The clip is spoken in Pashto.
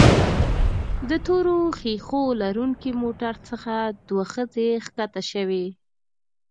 د تورو ښيښو لرونکي موټر څخه دوه ښځې ښکته شوې.